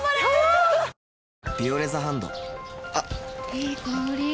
いい香り。